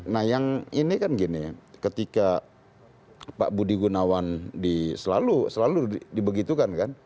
nah yang ini kan gini ya ketika pak budi gunawan selalu dibegitukan kan